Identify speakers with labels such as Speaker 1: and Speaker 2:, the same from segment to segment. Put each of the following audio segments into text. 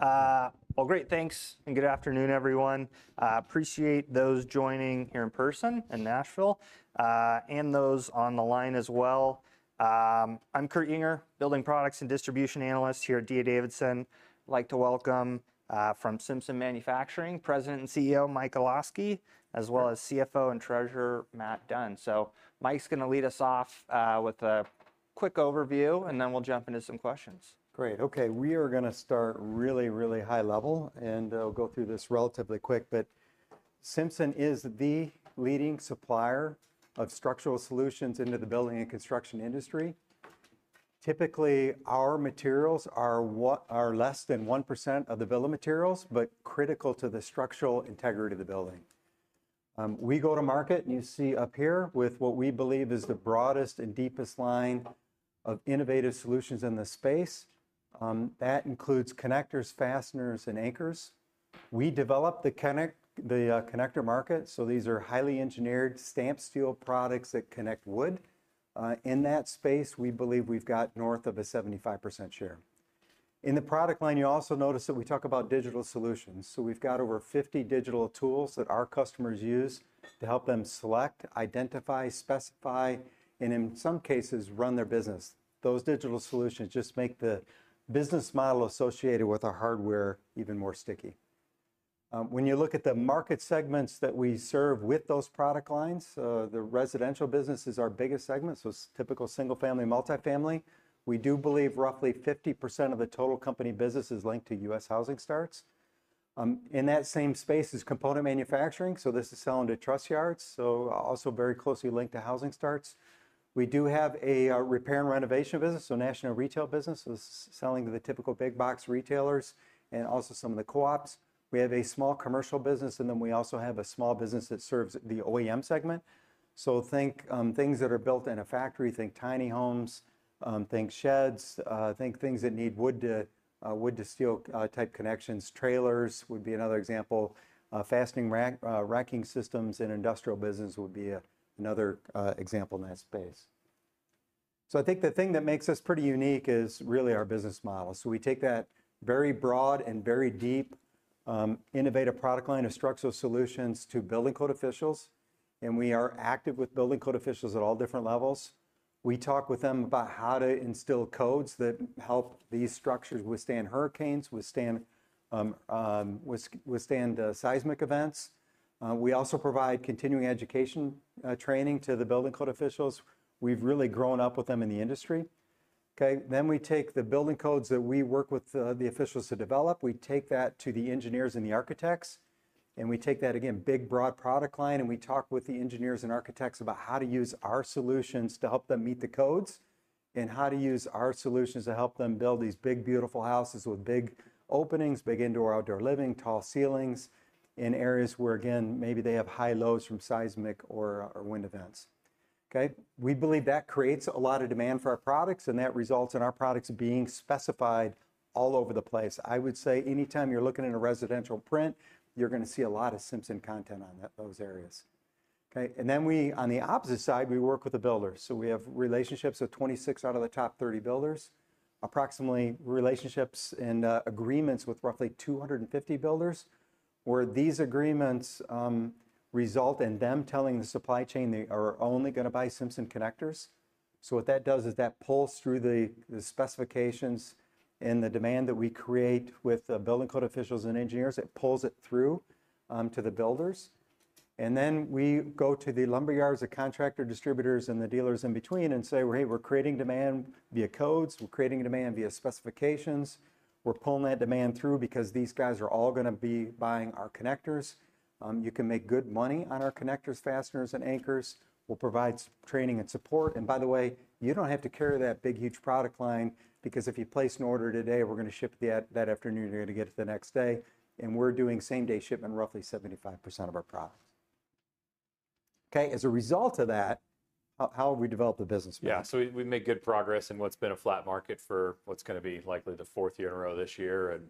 Speaker 1: Well, great. Thanks, and good afternoon, everyone. I appreciate those joining here in person in Nashville, and those on the line as well. I'm Kurt Yinger, building products and distribution analyst here at D.A. Davidson. I'd like to welcome from Simpson Manufacturing, President and CEO Mike Olosky, as well as CFO and Treasurer Matt Dunn. So Mike's going to lead us off with a quick overview, and then we'll jump into some questions.
Speaker 2: Great. Okay. We are going to start really, really high level, and I'll go through this relatively quick. But Simpson is the leading supplier of structural solutions into the building and construction industry. Typically, our materials are less than 1% of the bill of materials, but critical to the structural integrity of the building. We go to market, and you see up here with what we believe is the broadest and deepest line of innovative solutions in the space. That includes connectors, fasteners, and anchors. We develop the connector market. So these are highly engineered stamped steel products that connect wood. In that space, we believe we've got north of a 75% share. In the product line, you also notice that we talk about digital solutions. So we've got over 50 digital tools that our customers use to help them select, identify, specify, and in some cases, run their business. Those digital solutions just make the business model associated with our hardware even more sticky. When you look at the market segments that we serve with those product lines, the residential business is our biggest segment. So it's typical single-family, multifamily. We do believe roughly 50% of the total company business is linked to U.S. housing starts. In that same space is component manufacturing. So this is selling to truss yards, so also very closely linked to housing starts. We do have a repair and renovation business, so national retail business is selling to the typical big box retailers and also some of the co-ops. We have a small commercial business, and then we also have a small business that serves the OEM segment. So think things that are built in a factory, think tiny homes, think sheds, think things that need wood-to-steel type connections. Trailers would be another example. Fastening racking systems in industrial business would be another example in that space. So I think the thing that makes us pretty unique is really our business model. So we take that very broad and very deep innovative product line of structural solutions to building code officials, and we are active with building code officials at all different levels. We talk with them about how to instill codes that help these structures withstand hurricanes, withstand seismic events. We also provide continuing education training to the building code officials. We've really grown up with them in the industry. Okay. Then we take the building codes that we work with the officials to develop. We take that to the engineers and the architects, and we take that, again, big broad product line, and we talk with the engineers and architects about how to use our solutions to help them meet the codes and how to use our solutions to help them build these big, beautiful houses with big openings, big indoor-outdoor living, tall ceilings in areas where, again, maybe they have high loads from seismic or wind events. Okay. We believe that creates a lot of demand for our products, and that results in our products being specified all over the place. I would say anytime you're looking at a residential print, you're going to see a lot of Simpson content on those areas. Okay, and then we, on the opposite side, we work with the builders. So we have relationships with 26 out of the top 30 builders, approximately relationships and agreements with roughly 250 builders, where these agreements result in them telling the supply chain they are only going to buy Simpson connectors. So what that does is that pulls through the specifications and the demand that we create with the building code officials and engineers. It pulls it through to the builders. And then we go to the lumber yards, the contractor distributors, and the dealers in between and say, "Hey, we're creating demand via codes. We're creating demand via specifications. We're pulling that demand through because these guys are all going to be buying our connectors. You can make good money on our connectors, fasteners, and anchors. We'll provide training and support. And by the way, you don't have to carry that big, huge product line because if you place an order today, we're going to ship that afternoon. You're going to get it the next day." And we're doing same-day shipment, roughly 75% of our product. Okay. As a result of that, how have we developed the business?
Speaker 3: Yeah. So we've made good progress in what's been a flat market for what's going to be likely the fourth year in a row this year and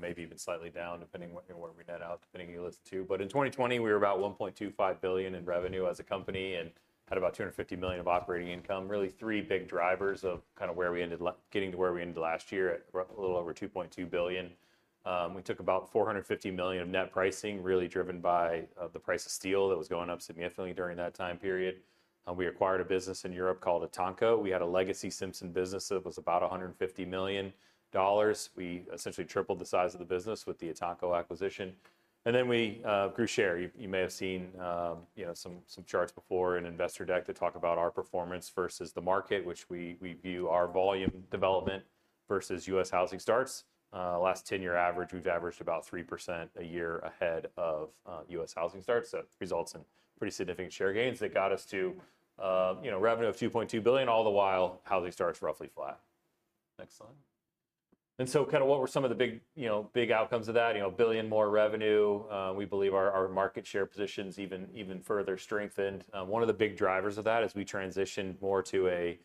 Speaker 3: maybe even slightly down, depending on where we net out, depending on who you listen to. But in 2020, we were about $1.25 billion in revenue as a company and had about $250 million of operating income. Really three big drivers of kind of where we ended up getting to where we ended last year at a little over $2.2 billion. We took about $450 million of net pricing, really driven by the price of steel that was going up significantly during that time period. We acquired a business in Europe called ETANCO. We had a legacy Simpson business that was about $150 million. We essentially tripled the size of the business with the Etanco acquisition. And then we grew share. You may have seen some charts before in investor deck to talk about our performance versus the market, which we view our volume development versus U.S. housing starts. Last 10-year average, we've averaged about 3% a year ahead of U.S. housing starts. That results in pretty significant share gains that got us to revenue of $2.2 billion, all the while housing starts roughly flat. Next slide. And so kind of what were some of the big outcomes of that? $1 billion more revenue. We believe our market share positions even further strengthened. One of the big drivers of that is we transitioned more to a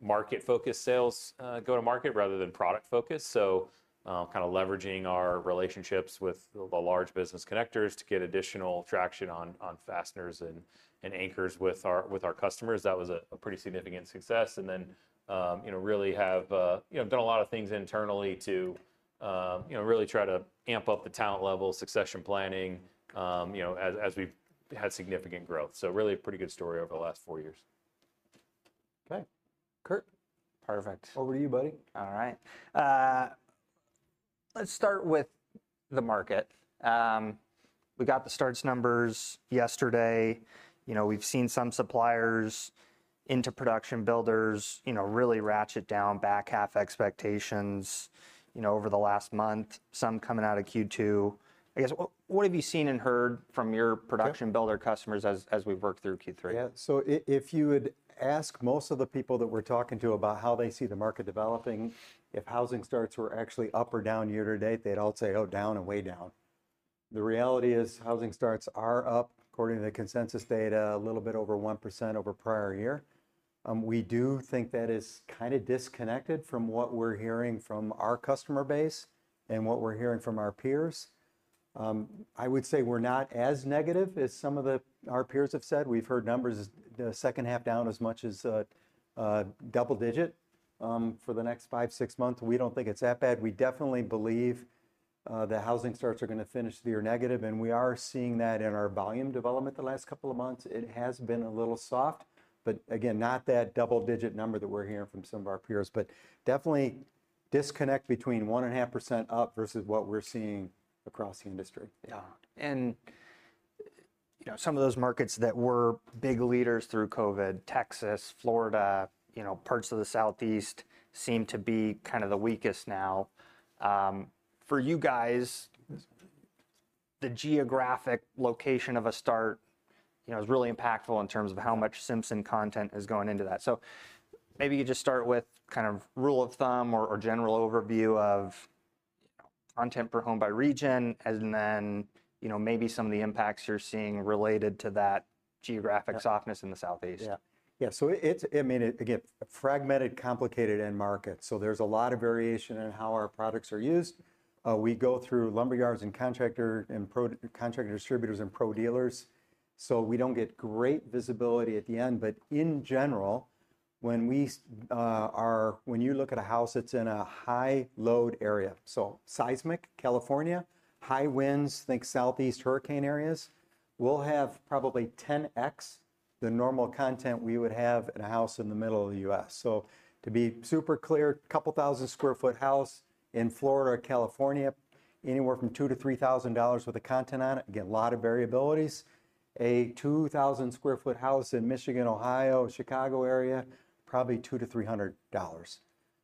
Speaker 3: market-focused sales, go-to-market rather than product-focused. So kind of leveraging our relationships with the large business connectors to get additional traction on fasteners and anchors with our customers. That was a pretty significant success. And then really have done a lot of things internally to really try to amp up the talent level, succession planning as we've had significant growth. So really a pretty good story over the last four years. Okay. Kurt. Perfect. Over to you, buddy.
Speaker 1: All right. Let's start with the market. We got the starts numbers yesterday. We've seen some suppliers into production builders really ratchet down back half expectations over the last month, some coming out of Q2. I guess, what have you seen and heard from your production builder customers as we've worked through Q3?
Speaker 2: Yeah. So if you would ask most of the people that we're talking to about how they see the market developing, if housing starts were actually up or down year-to-date, they'd all say, "Oh, down and way down." The reality is housing starts are up, according to the consensus data, a little bit over 1% over prior year. We do think that is kind of disconnected from what we're hearing from our customer base and what we're hearing from our peers. I would say we're not as negative as some of our peers have said. We've heard numbers the second half down as much as double-digit for the next five, six months. We don't think it's that bad. We definitely believe that housing starts are going to finish the year negative. And we are seeing that in our volume development the last couple of months. It has been a little soft, but again, not that double-digit number that we're hearing from some of our peers, but definitely disconnect between 1.5% up versus what we're seeing across the industry.
Speaker 1: Yeah. And some of those markets that were big leaders through COVID, Texas, Florida, parts of the Southeast seem to be kind of the weakest now. For you guys, the geographic location of a start is really impactful in terms of how much Simpson content is going into that. So maybe you could just start with kind of rule of thumb or general overview of content per home by region, and then maybe some of the impacts you're seeing related to that geographic softness in the Southeast.
Speaker 2: Yeah. Yeah. So I mean, again, fragmented, complicated end market. So there's a lot of variation in how our products are used. We go through lumber yards and contractor distributors and pro dealers. So we don't get great visibility at the end. But in general, when you look at a house that's in a high load area, so seismic, California, high winds, think Southeast hurricane areas, we'll have probably 10x the normal content we would have in a house in the middle of the U.S. So to be super clear, a couple thousand square feet house in Florida, California, anywhere from $2,000-$3,000 with the content on it. Again, a lot of variabilities. A 2,000 sq ft house in Michigan, Ohio, Chicago area, probably $2,000-$300.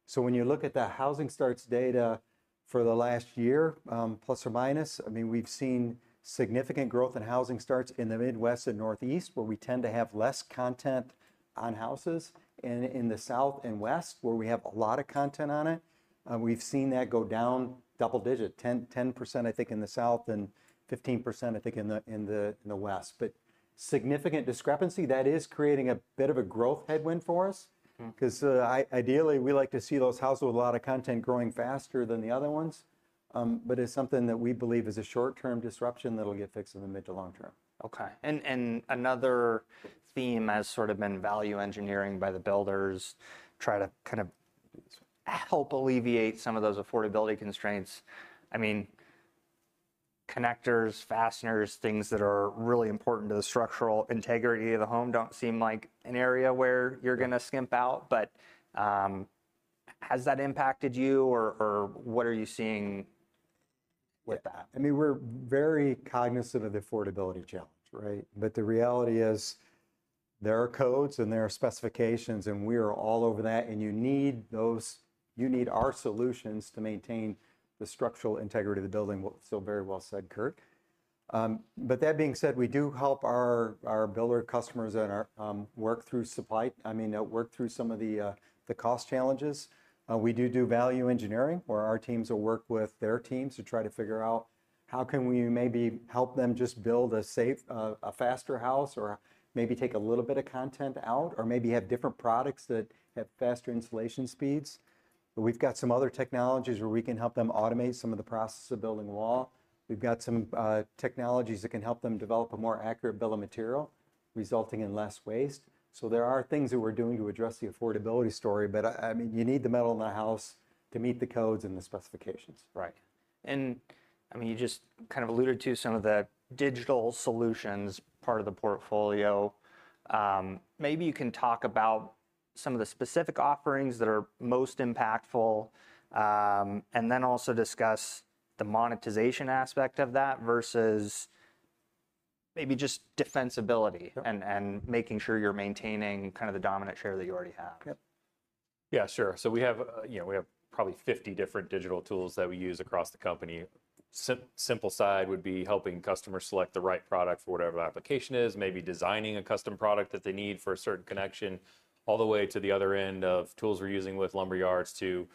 Speaker 2: So when you look at the housing starts data for the last year, plus or minus, I mean, we've seen significant growth in housing starts in the Midwest and Northeast, where we tend to have less content on houses, and in the South and West, where we have a lot of content on it. We've seen that go down double-digit, 10%, I think, in the South and 15%, I think, in the West. But significant discrepancy, that is creating a bit of a growth headwind for us because ideally, we like to see those houses with a lot of content growing faster than the other ones. But it's something that we believe is a short-term disruption that'll get fixed in the mid to long term.
Speaker 1: Okay. And another theme has sort of been value engineering by the builders try to kind of help alleviate some of those affordability constraints. I mean, connectors, fasteners, things that are really important to the structural integrity of the home don't seem like an area where you're going to skimp out. But has that impacted you, or what are you seeing with that?
Speaker 2: Yeah. I mean, we're very cognizant of the affordability challenge, right? But the reality is there are codes and there are specifications, and we are all over that. And you need our solutions to maintain the structural integrity of the building. Still very well said, Kurt. That being said, we do help our builder customers work through supply. I mean, work through some of the cost challenges. We do do value engineering where our teams will work with their teams to try to figure out how can we maybe help them just build a faster house or maybe take a little bit of content out or maybe have different products that have faster installation speeds. But we've got some other technologies where we can help them automate some of the process of building wall. We've got some technologies that can help them develop a more accurate bill of material resulting in less waste. So there are things that we're doing to address the affordability story. But I mean, you need the metal in the house to meet the codes and the specifications.
Speaker 1: Right. And I mean, you just kind of alluded to some of the digital solutions part of the portfolio. Maybe you can talk about some of the specific offerings that are most impactful and then also discuss the monetization aspect of that versus maybe just defensibility and making sure you're maintaining kind of the dominant share that you already have.
Speaker 3: Yeah. Yeah, sure. So we have probably 50 different digital tools that we use across the company. Simpson side would be helping customers select the right product for whatever the application is, maybe designing a custom product that they need for a certain connection, all the way to the other end of tools we're using with lumber yards to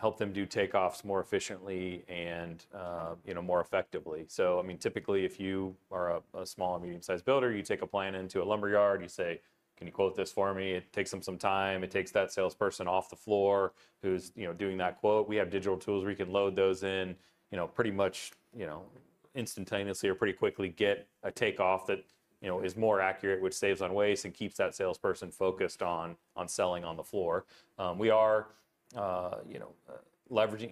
Speaker 3: help them do takeoffs more efficiently and more effectively. So I mean, typically, if you are a small and medium-sized builder, you take a plan into a lumber yard. You say, "Can you quote this for me?" It takes them some time. It takes that salesperson off the floor who's doing that quote. We have digital tools where you can load those in pretty much instantaneously or pretty quickly get a takeoff that is more accurate, which saves on waste and keeps that salesperson focused on selling on the floor. We are leveraging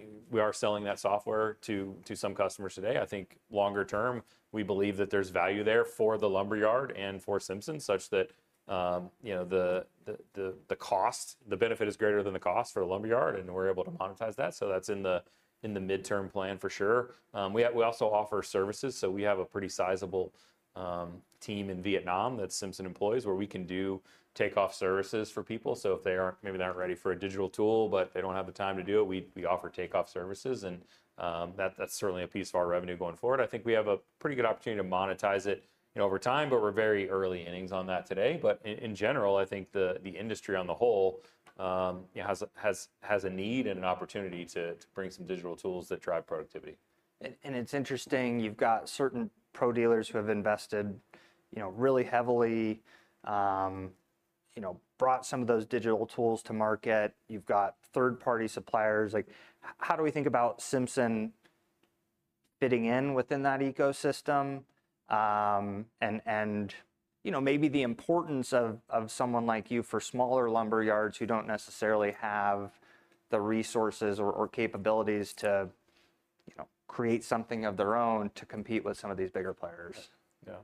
Speaker 3: that software to some customers today. I think longer term, we believe that there's value there for the lumber yard and for Simpson such that the cost, the benefit is greater than the cost for the lumber yard, and we're able to monetize that. So that's in the midterm plan for sure. We also offer services. So we have a pretty sizable team in Vietnam that Simpson employs where we can do takeoff services for people. So if they aren't, maybe they aren't ready for a digital tool, but they don't have the time to do it, we offer takeoff services. And that's certainly a piece of our revenue going forward. I think we have a pretty good opportunity to monetize it over time, but we're very early innings on that today. But in general, I think the industry on the whole has a need and an opportunity to bring some digital tools that drive productivity.
Speaker 1: It's interesting. You've got certain pro dealers who have invested really heavily, brought some of those digital tools to market. You've got third-party suppliers. How do we think about Simpson fitting in within that ecosystem? And maybe the importance of someone like you for smaller lumber yards who don't necessarily have the resources or capabilities to create something of their own to compete with some of these bigger players.
Speaker 2: Yeah.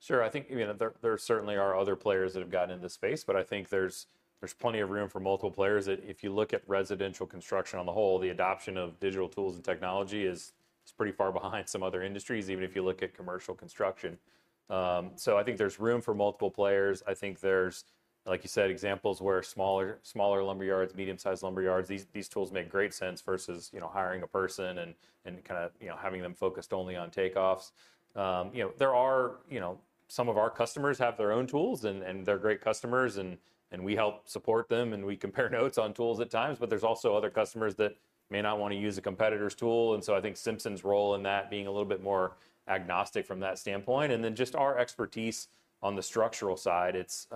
Speaker 2: Sure. I think there certainly are other players that have gotten into the space, but I think there's plenty of room for multiple players. If you look at residential construction on the whole, the adoption of digital tools and technology is pretty far behind some other industries, even if you look at commercial construction. So I think there's room for multiple players. I think there's, like you said, examples where smaller lumber yards, medium-sized lumber yards, these tools make great sense versus hiring a person and kind of having them focused only on takeoffs. There are some of our customers have their own tools, and they're great customers, and we help support them, and we compare notes on tools at times. But there's also other customers that may not want to use a competitor's tool. And so I think Simpson's role in that being a little bit more agnostic from that standpoint. And then just our expertise on the structural side, it's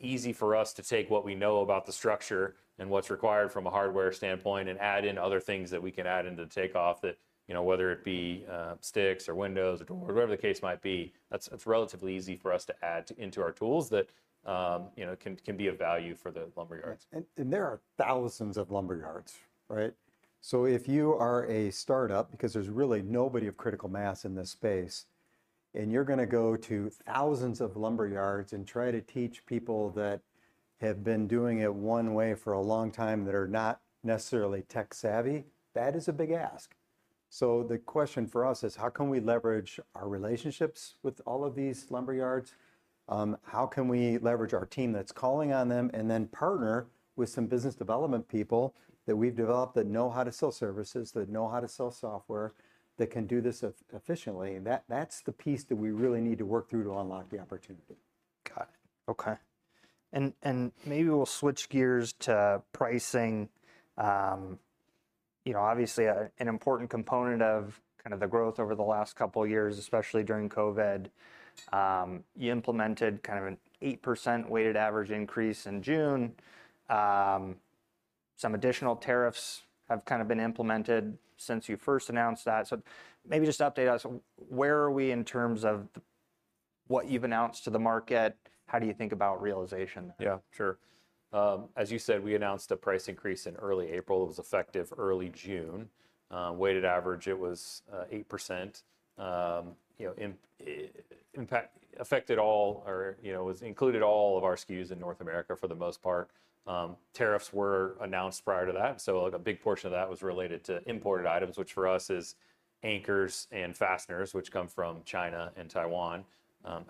Speaker 2: easy for us to take what we know about the structure and what's required from a hardware standpoint and add in other things that we can add into the takeoff, whether it be sticks or windows or doors, whatever the case might be. That's relatively easy for us to add into our tools that can be of value for the lumber yards.
Speaker 3: And there are thousands of lumber yards, right? So if you are a startup, because there's really nobody of critical mass in this space, and you're going to go to thousands of lumber yards and try to teach people that have been doing it one way for a long time that are not necessarily tech-savvy, that is a big ask. So the question for us is, how can we leverage our relationships with all of these lumber yards? How can we leverage our team that's calling on them and then partner with some business development people that we've developed that know how to sell services, that know how to sell software, that can do this efficiently? That's the piece that we really need to work through to unlock the opportunity.
Speaker 1: Got it. Okay. And maybe we'll switch gears to pricing. Obviously, an important component of kind of the growth over the last couple of years, especially during COVID, you implemented kind of an 8% weighted average increase in June. Some additional tariffs have kind of been implemented since you first announced that. So maybe just update us. Where are we in terms of what you've announced to the market? How do you think about realization?
Speaker 3: Yeah, sure. As you said, we announced a price increase in early April. It was effective early June. Weighted average, it was 8%. It affected all or included all of our SKUs in North America for the most part. Tariffs were announced prior to that. So a big portion of that was related to imported items, which for us is anchors and fasteners, which come from China and Taiwan.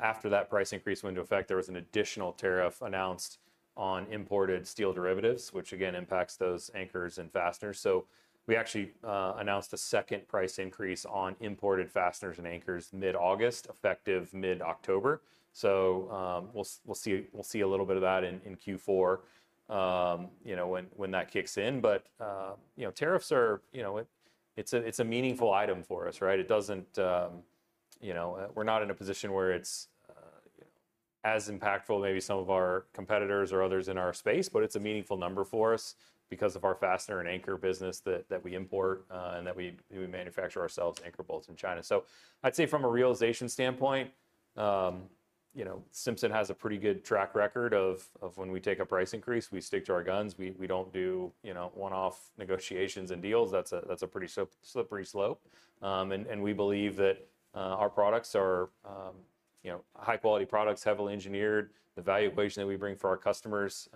Speaker 3: After that price increase went into effect, there was an additional tariff announced on imported steel derivatives, which again impacts those anchors and fasteners. So we actually announced a second price increase on imported fasteners and anchors mid-August, effective mid-October. So we'll see a little bit of that in Q4 when that kicks in. But tariffs, it's a meaningful item for us, right? We're not in a position where it's as impactful as maybe some of our competitors or others in our space, but it's a meaningful number for us because of our fastener and anchor business that we import and that we manufacture ourselves, anchor bolts in China. So I'd say from a realization standpoint, Simpson has a pretty good track record of when we take a price increase, we stick to our guns. We don't do one-off negotiations and deals. That's a pretty slippery slope. And we believe that our products are high-quality products, heavily engineered. The value equation that we bring for our customers,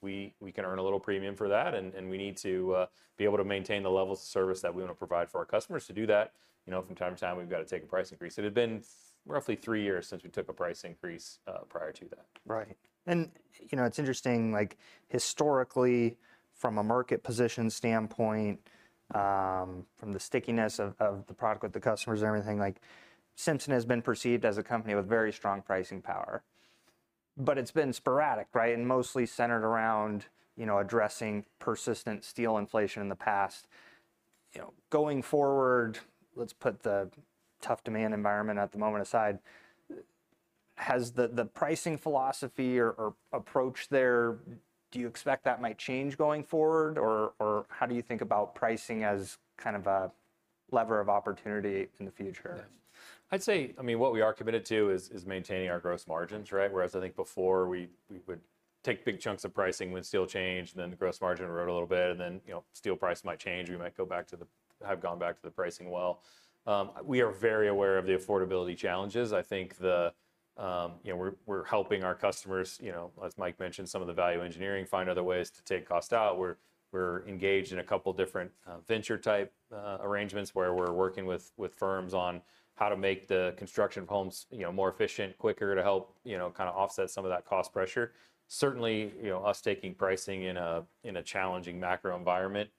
Speaker 3: we can earn a little premium for that. And we need to be able to maintain the level of service that we want to provide for our customers. To do that, from time to time, we've got to take a price increase. It had been roughly three years since we took a price increase prior to that.
Speaker 1: Right, and it's interesting, historically, from a market position standpoint, from the stickiness of the product with the customers and everything, Simpson has been perceived as a company with very strong pricing power. But it's been sporadic, right, and mostly centered around addressing persistent steel inflation in the past. Going forward, let's put the tough demand environment at the moment aside. Has the pricing philosophy or approach there, do you expect that might change going forward, or how do you think about pricing as kind of a lever of opportunity in the future?
Speaker 3: I'd say, I mean, what we are committed to is maintaining our gross margins, right? Whereas I think before we would take big chunks of pricing when steel changed, then the gross margin rode a little bit, and then steel price might change. We might go back to the pricing well. We are very aware of the affordability challenges. I think we're helping our customers, as Mike mentioned, some of the value engineering, find other ways to take cost out. We're engaged in a couple of different venture-type arrangements where we're working with firms on how to make the construction of homes more efficient, quicker to help kind of offset some of that cost pressure. Certainly, us taking pricing in a challenging macro environment,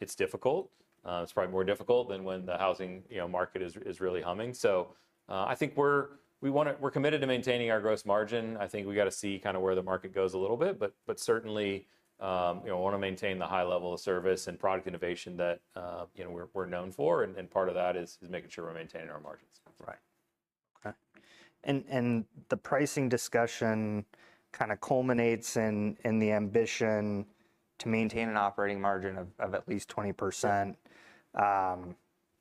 Speaker 3: it's difficult. It's probably more difficult than when the housing market is really humming. So I think we're committed to maintaining our gross margin. I think we got to see kind of where the market goes a little bit. But certainly, we want to maintain the high level of service and product innovation that we're known for. And part of that is making sure we're maintaining our margins.
Speaker 1: Right. Okay. And the pricing discussion kind of culminates in the ambition to maintain an operating margin of at least 20%. Got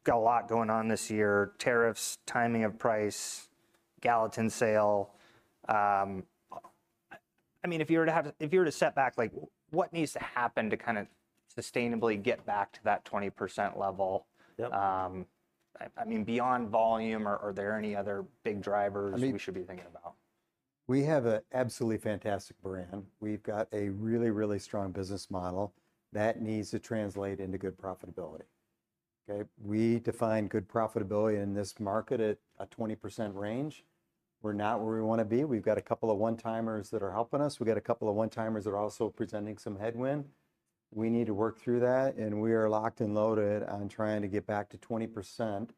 Speaker 1: a lot going on this year: tariffs, timing of pricing, Gallatin sale. I mean, if you were to step back, what needs to happen to kind of sustainably get back to that 20% level? I mean, beyond volume, are there any other big drivers we should be thinking about?
Speaker 2: We have an absolutely fantastic brand. We've got a really, really strong business model that needs to translate into good profitability. Okay? We define good profitability in this market at a 20% range. We're not where we want to be. We've got a couple of one-timers that are helping us. We've got a couple of one-timers that are also presenting some headwind. We need to work through that and we are locked and loaded on trying to get back to 20%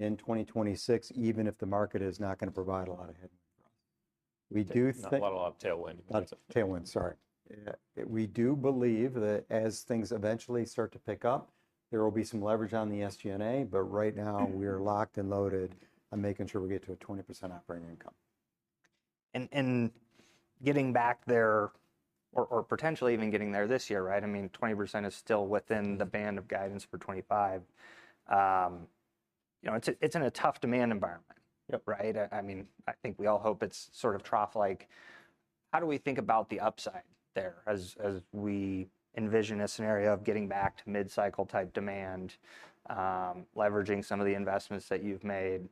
Speaker 2: in 2026, even if the market is not going to provide a lot of headwind for us. We do think.
Speaker 1: Not a lot of tailwind.
Speaker 2: Tailwind, sorry. We do believe that as things eventually start to pick up, there will be some leverage on the SG&A. But right now, we are locked and loaded on making sure we get to a 20% operating income.
Speaker 1: Getting back there or potentially even getting there this year, right? I mean, 20% is still within the band of guidance for 2025. It's in a tough demand environment, right? I mean, I think we all hope it's sort of trough-like. How do we think about the upside there as we envision a scenario of getting back to mid-cycle type demand, leveraging some of the investments that you've made?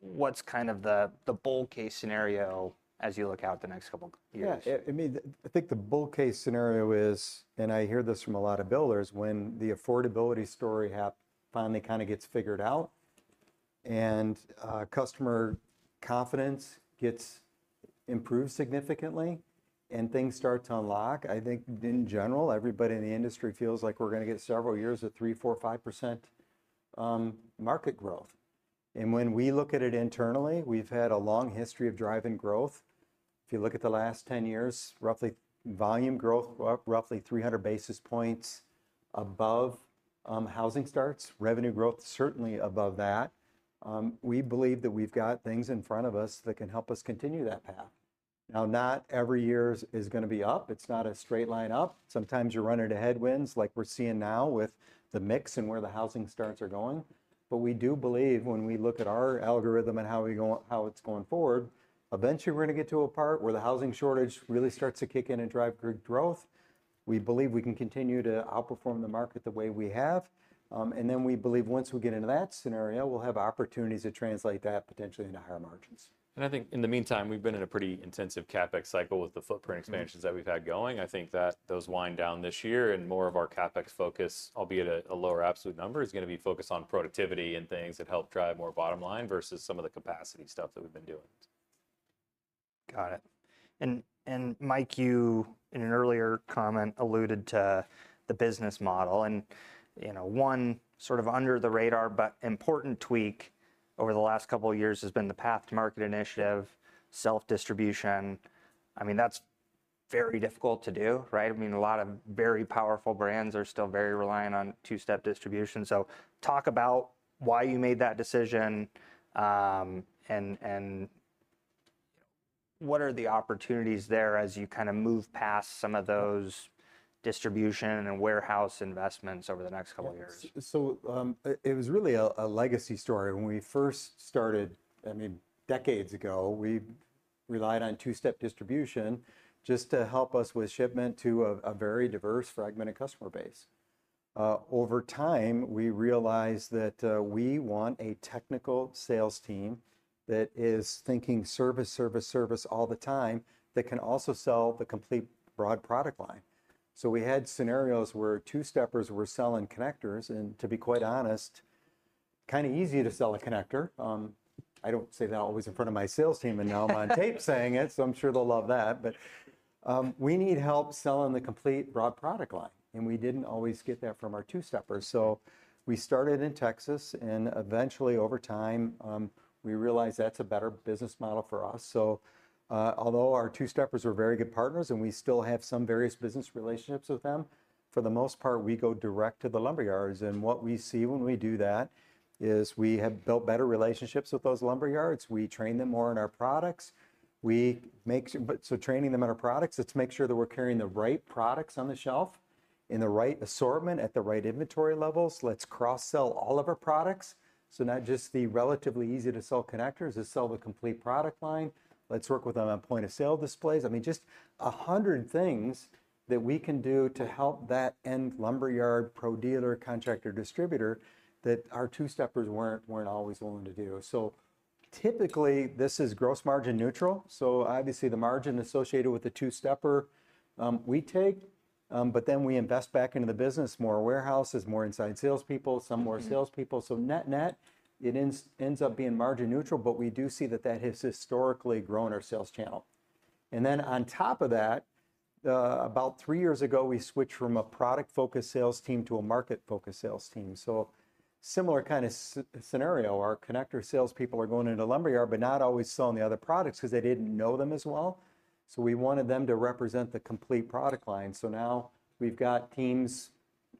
Speaker 1: What's kind of the bull case scenario as you look out the next couple of years?
Speaker 2: Yeah. I mean, I think the bull case scenario is, and I hear this from a lot of builders, when the affordability story finally kind of gets figured out and customer confidence improves significantly and things start to unlock, I think in general, everybody in the industry feels like we're going to get several years of 3%, 4%, 5% market growth, and when we look at it internally, we've had a long history of driving growth. If you look at the last 10 years, roughly volume growth up roughly 300 basis points above housing starts, revenue growth certainly above that. We believe that we've got things in front of us that can help us continue that path. Now, not every year is going to be up. It's not a straight line up. Sometimes you're running into headwinds like we're seeing now with the mix and where the housing starts are going. But we do believe when we look at our algorithm and how it's going forward, eventually we're going to get to a part where the housing shortage really starts to kick in and drive growth. We believe we can continue to outperform the market the way we have. And then we believe once we get into that scenario, we'll have opportunities to translate that potentially into higher margins.
Speaker 3: I think in the meantime, we've been in a pretty intensive CapEx cycle with the footprint expansions that we've had going. I think that those wind down this year, and more of our CapEx focus, albeit a lower absolute number, is going to be focused on productivity and things that help drive more bottom line versus some of the capacity stuff that we've been doing.
Speaker 1: Got it. And Mike, you, in an earlier comment, alluded to the business model. And one sort of under the radar but important tweak over the last couple of years has been the Path to Market initiative, self-distribution. I mean, that's very difficult to do, right? I mean, a lot of very powerful brands are still very reliant on two-step distribution. So talk about why you made that decision and what are the opportunities there as you kind of move past some of those distribution and warehouse investments over the next couple of years?
Speaker 2: So it was really a legacy story. When we first started, I mean, decades ago, we relied on two-step distribution just to help us with shipment to a very diverse, fragmented customer base. Over time, we realized that we want a technical sales team that is thinking service, service, service all the time that can also sell the complete broad product line. So we had scenarios where two-steppers were selling connectors. And to be quite honest, kind of easy to sell a connector. I don't say that always in front of my sales team, and now I'm on tape saying it, so I'm sure they'll love that. But we need help selling the complete broad product line. And we didn't always get that from our two-steppers. So we started in Texas, and eventually, over time, we realized that's a better business model for us. Although our two-steppers are very good partners and we still have some various business relationships with them, for the most part, we go direct to the lumber yards. What we see when we do that is we have built better relationships with those lumber yards. We train them more in our products. Training them in our products, let's make sure that we're carrying the right products on the shelf in the right assortment at the right inventory levels. Let's cross-sell all of our products. Not just the relatively easy-to-sell connectors, let's sell the complete product line. Let's work with them on point-of-sale displays. I mean, just a hundred things that we can do to help that end lumber yard, pro-dealer, contractor, distributor that our two-steppers weren't always willing to do. Typically, this is gross margin neutral. So obviously, the margin associated with the two-stepper we take, but then we invest back into the business, more warehouses, more inside salespeople, some more salespeople. So net-net, it ends up being margin neutral, but we do see that that has historically grown our sales channel. And then on top of that, about three years ago, we switched from a product-focused sales team to a market-focused sales team. So similar kind of scenario, our connector salespeople are going into lumber yard, but not always selling the other products because they didn't know them as well. So we wanted them to represent the complete product line. So now we've got teams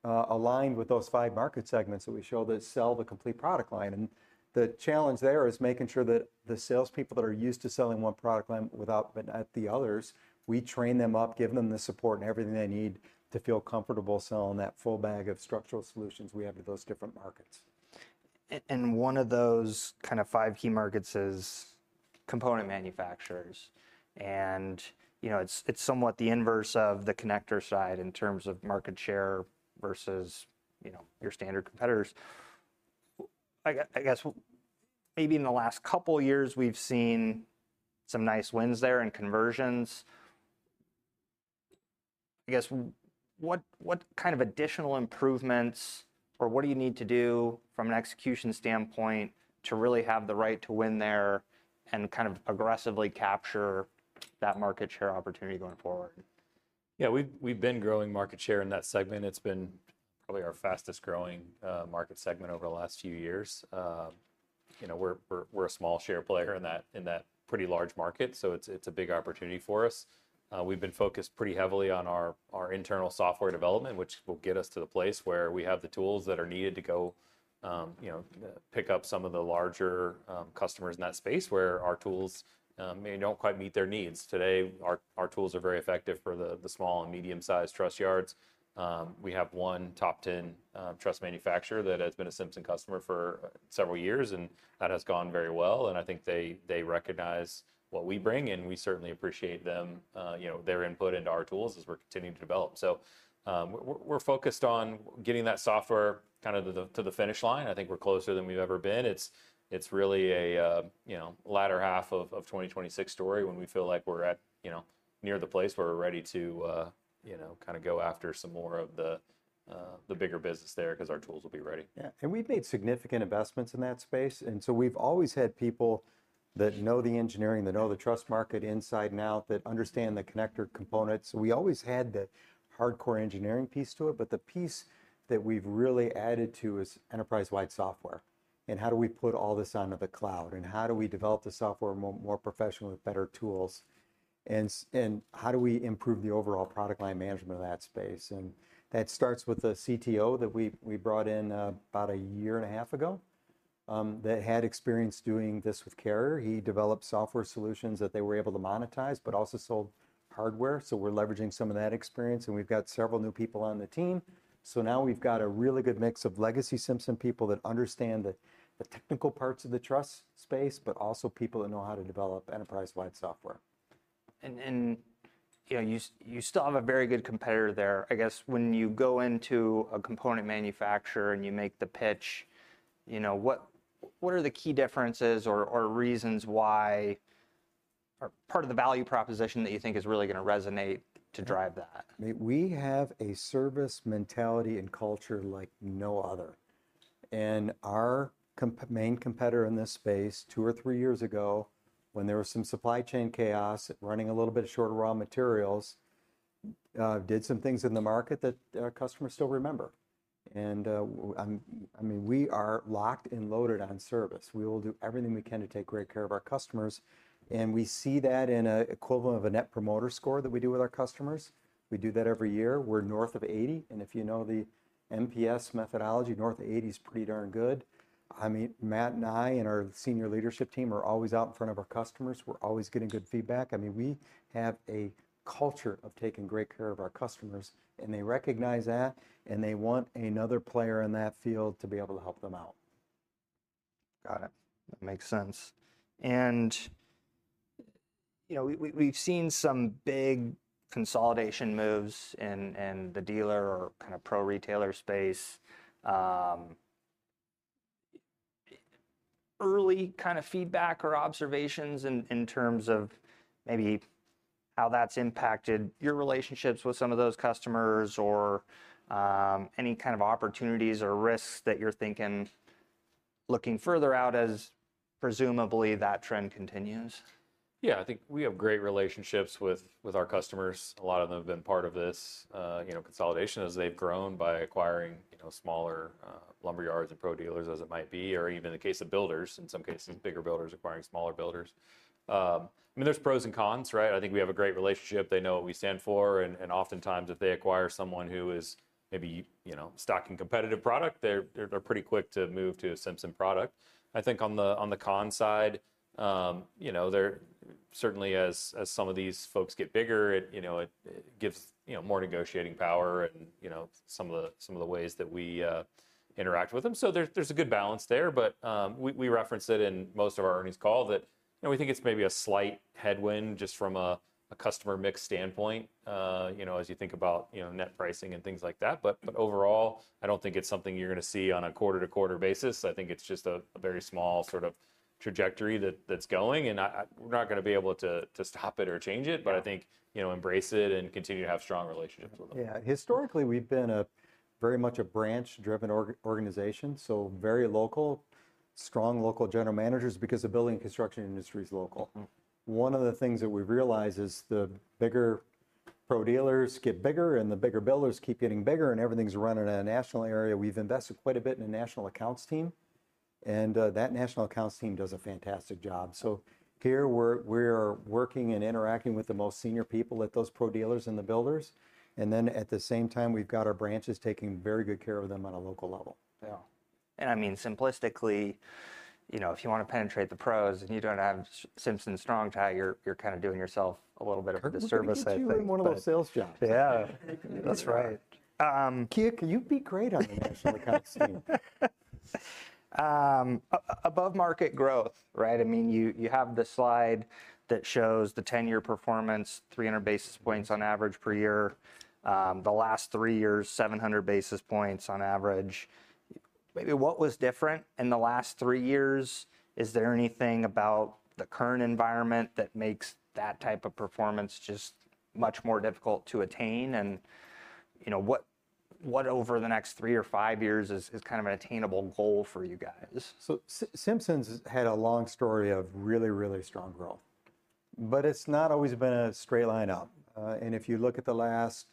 Speaker 2: aligned with those five market segments that we show that sell the complete product line. The challenge there is making sure that the salespeople that are used to selling one product line without being at the others, we train them up, give them the support and everything they need to feel comfortable selling that full bag of structural solutions we have to those different markets.
Speaker 1: One of those kind of five key markets is component manufacturers. It's somewhat the inverse of the connector side in terms of market share versus your standard competitors. I guess maybe in the last couple of years, we've seen some nice wins there and conversions. I guess what kind of additional improvements or what do you need to do from an execution standpoint to really have the right to win there and kind of aggressively capture that market share opportunity going forward?
Speaker 3: Yeah, we've been growing market share in that segment. It's been probably our fastest-growing market segment over the last few years. We're a small share player in that pretty large market, so it's a big opportunity for us. We've been focused pretty heavily on our internal software development, which will get us to the place where we have the tools that are needed to go pick up some of the larger customers in that space where our tools maybe don't quite meet their needs. Today, our tools are very effective for the small and medium-sized truss yards. We have one top-10 truss manufacturer that has been a Simpson customer for several years, and that has gone very well, and I think they recognize what we bring, and we certainly appreciate their input into our tools as we're continuing to develop. So we're focused on getting that software kind of to the finish line. I think we're closer than we've ever been. It's really a latter half of 2026 story when we feel like we're ready to kind of go after some more of the bigger business there because our tools will be ready.
Speaker 2: Yeah. And we've made significant investments in that space. And so we've always had people that know the engineering, that know the truss market inside and out, that understand the connector components. We always had that hardcore engineering piece to it, but the piece that we've really added to is enterprise-wide software. And how do we put all this onto the cloud? And how do we develop the software more professionally with better tools? And how do we improve the overall product line management of that space? And that starts with the CTO that we brought in about a year and a half ago that had experience doing this with Carrier. He developed software solutions that they were able to monetize, but also sold hardware. So we're leveraging some of that experience, and we've got several new people on the team. So now we've got a really good mix of legacy Simpson people that understand the technical parts of the truss space, but also people that know how to develop enterprise-wide software.
Speaker 1: You still have a very good competitor there. I guess when you go into a component manufacturer and you make the pitch, what are the key differences or reasons why or part of the value proposition that you think is really going to resonate to drive that?
Speaker 2: We have a service mentality and culture like no other, and our main competitor in this space, two or three years ago, when there was some supply chain chaos, running a little bit short of raw materials, did some things in the market that customers still remember. I mean, we are locked and loaded on service. We will do everything we can to take great care of our customers, and we see that in an equivalent of a Net Promoter Score that we do with our customers. We do that every year. We're north of 80, and if you know the NPS methodology, north of 80 is pretty darn good. I mean, Matt and I and our senior leadership team are always out in front of our customers. We're always getting good feedback. I mean, we have a culture of taking great care of our customers, and they recognize that, and they want another player in that field to be able to help them out.
Speaker 1: Got it. That makes sense. And we've seen some big consolidation moves in the dealer or kind of pro-retailer space. Early kind of feedback or observations in terms of maybe how that's impacted your relationships with some of those customers or any kind of opportunities or risks that you're thinking looking further out as presumably that trend continues?
Speaker 3: Yeah, I think we have great relationships with our customers. A lot of them have been part of this consolidation as they've grown by acquiring smaller lumber yards and pro-dealers as it might be, or even in the case of builders, in some cases, bigger builders acquiring smaller builders. I mean, there's pros and cons, right? I think we have a great relationship. They know what we stand for, and oftentimes, if they acquire someone who is maybe stocking competitive product, they're pretty quick to move to a Simpson product. I think on the con side, certainly as some of these folks get bigger, it gives more negotiating power and some of the ways that we interact with them, so there's a good balance there. But we referenced it in most of our earnings call that we think it's maybe a slight headwind just from a customer mix standpoint as you think about net pricing and things like that. But overall, I don't think it's something you're going to see on a quarter-to-quarter basis. I think it's just a very small sort of trajectory that's going. And we're not going to be able to stop it or change it, but I think embrace it and continue to have strong relationships with them.
Speaker 2: Yeah. Historically, we've been very much a branch-driven organization, so very local, strong local general managers because the building and construction industry is local. One of the things that we realize is the bigger pro-dealers get bigger, and the bigger builders keep getting bigger, and everything's running in a national area. We've invested quite a bit in a national accounts team, and that national accounts team does a fantastic job, so here, we're working and interacting with the most senior people at those pro-dealers and the builders, and then at the same time, we've got our branches taking very good care of them on a local level.
Speaker 1: Yeah. And I mean, simplistically, if you want to penetrate the pros and you don't have Simpson's strong tie, you're kind of doing yourself a little bit of a disservice.
Speaker 2: I'm sure you're in one of those sales jobs.
Speaker 1: Yeah.
Speaker 2: That's right. Kurt, can you be great on the industry accounts team?
Speaker 1: Above market growth, right? I mean, you have the slide that shows the 10-year performance, 300 basis points on average per year, the last three years, 700 basis points on average. Maybe what was different in the last three years? Is there anything about the current environment that makes that type of performance just much more difficult to attain, and what over the next three or five years is kind of an attainable goal for you guys?
Speaker 2: So Simpson's had a long story of really, really strong growth. But it's not always been a straight line up. And if you look at the last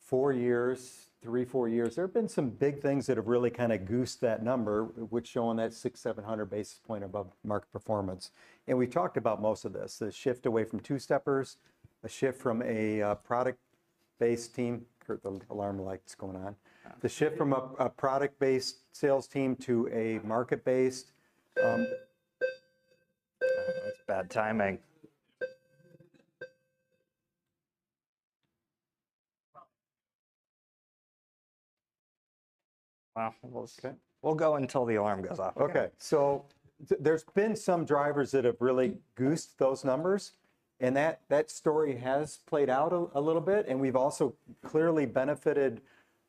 Speaker 2: four years, three, four years, there have been some big things that have really kind of goosed that number, which is showing that 600-700 basis point above market performance. And we've talked about most of this, the shift away from two-steppers, a shift from a product-based team. Alarm light's going on. The shift from a product-based sales team to a market-based.
Speaker 1: That's bad timing. Wow. We'll go until the alarm goes off.
Speaker 2: Okay. So there's been some drivers that have really goosed those numbers. And that story has played out a little bit. And we've also clearly benefited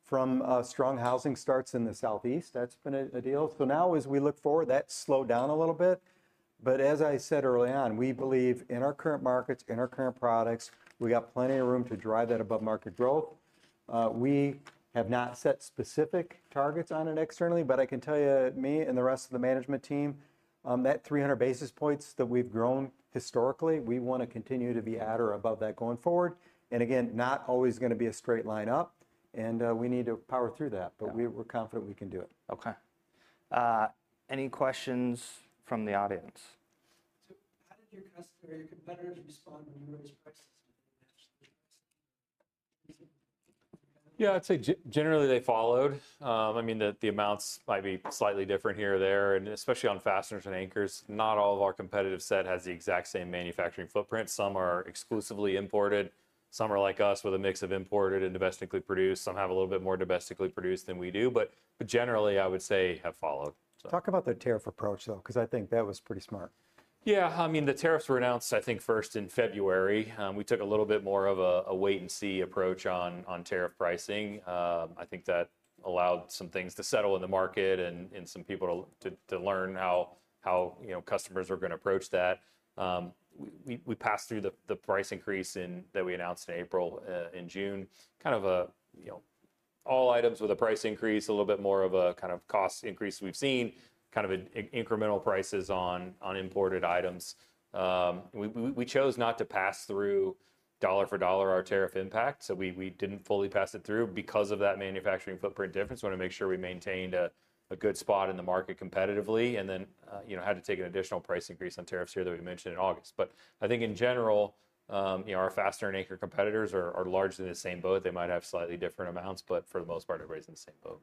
Speaker 2: from strong housing starts in the Southeast. That's been a deal. So now, as we look forward, that's slowed down a little bit. But as I said early on, we believe in our current markets, in our current products, we got plenty of room to drive that above market growth. We have not set specific targets on it externally, but I can tell you, me and the rest of the management team, that 300 basis points that we've grown historically, we want to continue to be at or above that going forward. And again, not always going to be a straight line up. And we need to power through that, but we're confident we can do it.
Speaker 1: Okay. Any questions from the audience? How did your competitors respond when you raised prices?
Speaker 3: Yeah, I'd say generally they followed. I mean, the amounts might be slightly different here or there, and especially on fasteners and anchors. Not all of our competitive set has the exact same manufacturing footprint. Some are exclusively imported. Some are like us with a mix of imported and domestically produced. Some have a little bit more domestically produced than we do, but generally, I would say have followed.
Speaker 1: Talk about the tariff approach, though, because I think that was pretty smart.
Speaker 3: Yeah. I mean, the tariffs were announced, I think, first in February. We took a little bit more of a wait-and-see approach on tariff pricing. I think that allowed some things to settle in the market and some people to learn how customers are going to approach that. We passed through the price increase that we announced in April, in June, kind of all items with a price increase, a little bit more of a kind of cost increase we've seen, kind of incremental prices on imported items. We chose not to pass through dollar-for-dollar our tariff impact. So we didn't fully pass it through because of that manufacturing footprint difference. We want to make sure we maintained a good spot in the market competitively and then had to take an additional price increase on tariffs here that we mentioned in August. But I think in general, our fastener and anchor competitors are largely in the same boat. They might have slightly different amounts, but for the most part, everybody's in the same boat.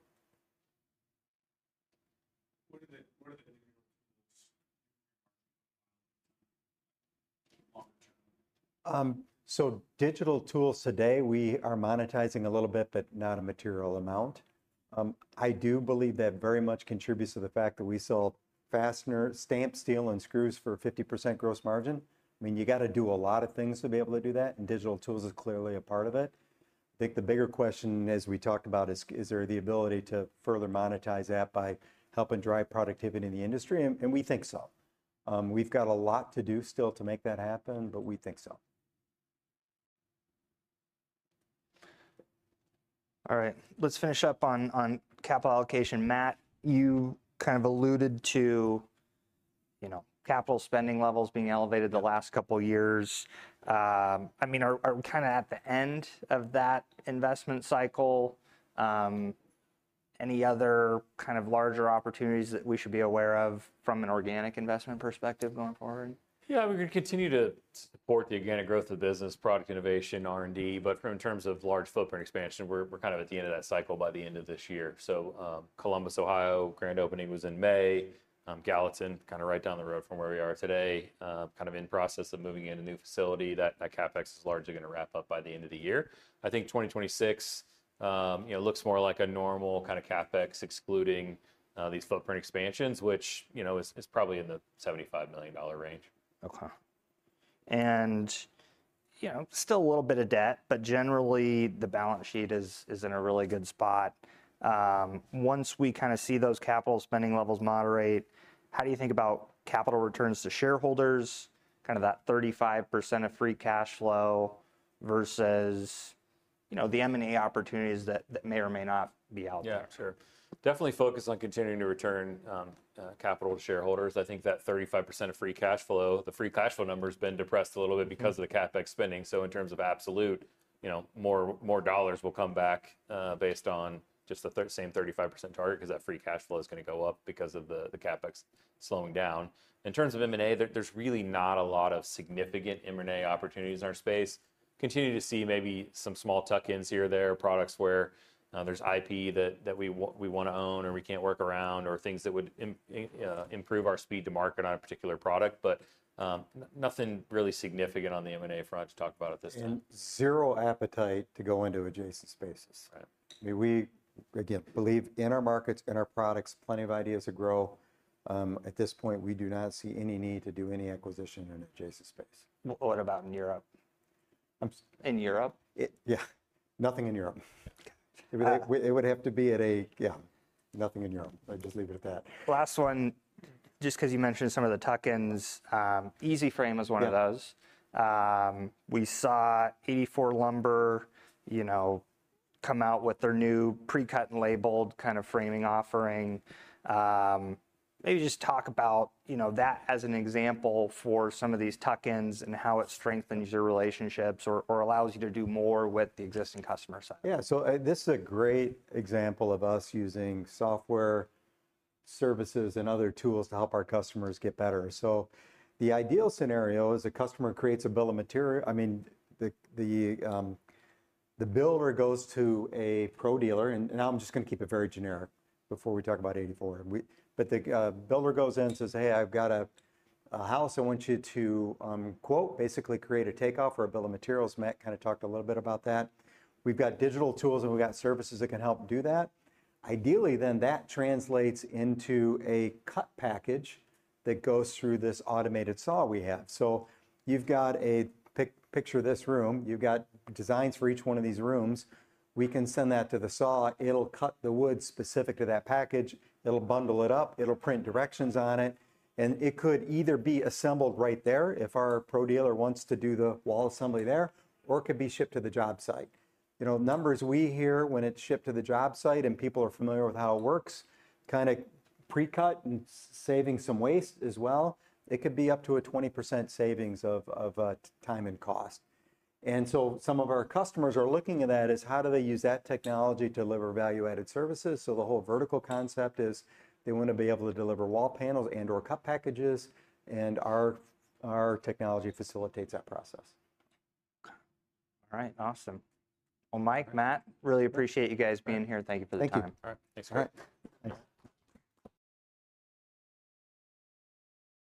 Speaker 3: What are the digital tools?
Speaker 2: So digital tools today, we are monetizing a little bit, but not a material amount. I do believe that very much contributes to the fact that we sold fasteners, stamped steel, and screws for 50% gross margin. I mean, you got to do a lot of things to be able to do that, and digital tools is clearly a part of it. I think the bigger question, as we talked about, is there the ability to further monetize that by helping drive productivity in the industry? And we think so. We've got a lot to do still to make that happen, but we think so.
Speaker 1: All right. Let's finish up on capital allocation. Matt, you kind of alluded to capital spending levels being elevated the last couple of years. I mean, are we kind of at the end of that investment cycle? Any other kind of larger opportunities that we should be aware of from an organic investment perspective going forward?
Speaker 3: Yeah, we're going to continue to support the organic growth of business, product innovation, R&D, but in terms of large footprint expansion, we're kind of at the end of that cycle by the end of this year. So Columbus, Ohio, grand opening was in May. Gallatin, kind of right down the road from where we are today, kind of in process of moving into a new facility. That CapEx is largely going to wrap up by the end of the year. I think 2026 looks more like a normal kind of CapEx, excluding these footprint expansions, which is probably in the $75 million range.
Speaker 1: Okay. And still a little bit of debt, but generally, the balance sheet is in a really good spot. Once we kind of see those capital spending levels moderate, how do you think about capital returns to shareholders, kind of that 35% of free cash flow versus the M&A opportunities that may or may not be out there?
Speaker 3: Yeah, sure. Definitely focus on continuing to return capital to shareholders. I think that 35% of free cash flow, the free cash flow number has been depressed a little bit because of the CapEx spending. So in terms of absolute, more dollars will come back based on just the same 35% target because that free cash flow is going to go up because of the CapEx slowing down. In terms of M&A, there's really not a lot of significant M&A opportunities in our space. Continue to see maybe some small tuck-ins here or there, products where there's IP that we want to own or we can't work around or things that would improve our speed to market on a particular product, but nothing really significant on the M&A front to talk about at this time.
Speaker 2: Zero appetite to go into adjacent spaces. I mean, we, again, believe in our markets, in our products. Plenty of ideas to grow. At this point, we do not see any need to do any acquisition in adjacent space.
Speaker 1: What about in Europe?
Speaker 2: In Europe? Yeah. Nothing in Europe. I just leave it at that.
Speaker 1: Last one, just because you mentioned some of the tuck-ins, EasyFrame is one of those. We saw 84 Lumber come out with their new pre-cut and labeled kind of framing offering. Maybe just talk about that as an example for some of these tuck-ins and how it strengthens your relationships or allows you to do more with the existing customer side.
Speaker 2: Yeah. So this is a great example of us using software services and other tools to help our customers get better. So the ideal scenario is a customer creates a bill of materials. I mean, the builder goes to a pro-dealer, and now I'm just going to keep it very generic before we talk about 84. But the builder goes in and says, "Hey, I've got a house. I want you to," quote, basically create a takeoff or a bill of materials. Matt kind of talked a little bit about that. We've got digital tools, and we've got services that can help do that. Ideally, then that translates into a cut package that goes through this automated saw we have. So you've got a picture of this room. You've got designs for each one of these rooms. We can send that to the saw. It'll cut the wood specific to that package. It'll bundle it up. It'll print directions on it. And it could either be assembled right there if our pro-dealer wants to do the wall assembly there, or it could be shipped to the job site. Numbers we hear when it's shipped to the job site and people are familiar with how it works, kind of pre-cut and saving some waste as well, it could be up to a 20% savings of time and cost. And so some of our customers are looking at that as how do they use that technology to deliver value-added services. So the whole vertical concept is they want to be able to deliver wall panels and/or cut packages. And our technology facilitates that process.
Speaker 1: All right. Awesome. Well, Mike, Matt, really appreciate you guys being here. Thank you for the time.
Speaker 2: Thank you.
Speaker 3: All right. Thanks.
Speaker 1: All right. Thanks.